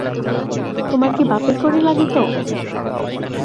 তোমার কি বাপের কড়ি লাগিত।